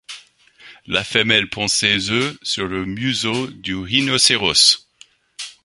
La femelle pond ses œufs sur le museau du rhinocéros.